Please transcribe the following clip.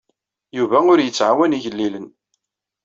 Yuba ur yettɛawan igellilen.